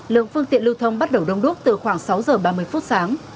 lượng phương tiện lưu thông bắt đầu đông đúc từ khoảng sáu giờ ba mươi phút sáng